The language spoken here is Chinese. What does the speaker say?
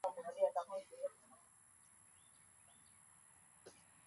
台湾山荠为十字花科山荠属下的一个种。